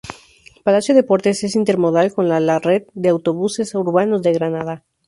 Palacio Deportes es intermodal con la la red de autobuses urbanos de Granada.